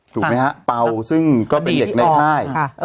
ถูกไหมฮะเป่าซึ่งก็เป็นเด็กในค่าย